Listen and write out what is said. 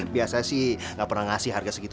biasanya sih nggak pernah ngasih harga segitu